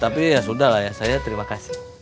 tapi ya sudah lah ya saya terima kasih